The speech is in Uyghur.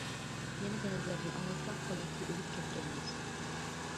يەنە بەزىلەردىن ئاڭلىساق بالىسى ئۆلۈپ كەتكەنمىش.